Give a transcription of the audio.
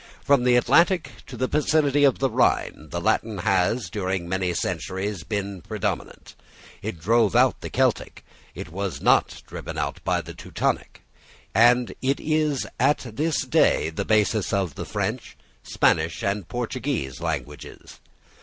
From the Atlantic to the vicinity of the Rhine the Latin has, during many centuries, been predominant. It drove out the Celtic; it was not driven out by the Teutonic; and it is at this day the basis of the French, Spanish and Portuguese languages.